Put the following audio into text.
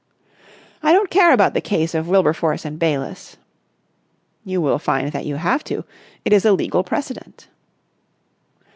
"I don't care about the case of Wilberforce and Bayliss...." "You will find that you have to. It is a legal precedent."